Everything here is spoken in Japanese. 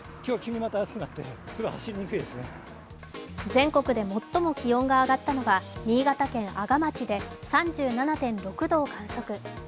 全国で最も気温が上がったのが新潟県阿賀町で３７．６度を観測。